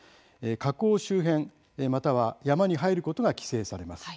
火口周辺、または山に入ることが規制されます。